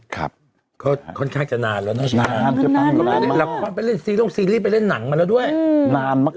ครับค่อนข้างจะนานแล้วนะชิคกี้พายนานมากนานมาก